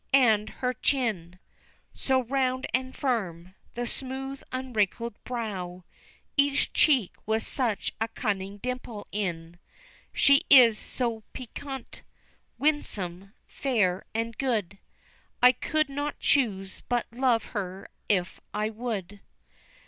And her chin So round and firm the smooth unwrinkled brow, Each cheek with such a cunning dimple in. She is so piquant, winsome, fair, and good, I could not choose but love her if I would.